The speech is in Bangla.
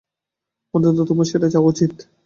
অন্তত তোমার সেটা চাওয়া উচিৎ।